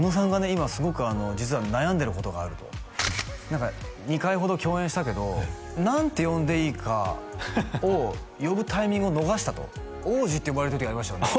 今すごく実は悩んでることがあると何か２回ほど共演したけど何て呼んでいいかを呼ぶタイミングを逃したと王子って呼ばれてた時ありましたよね？